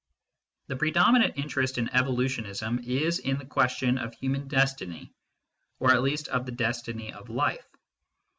The predominant interest of evolutionism is in the question of human destiny, or at least of the destiny of Life.